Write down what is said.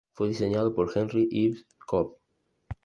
Fue diseñado por Henry Ives Cobb.